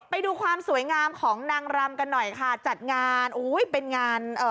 ไปดูความสวยงามของนางรำกันหน่อยค่ะจัดงานอุ้ยเป็นงานเอ่อ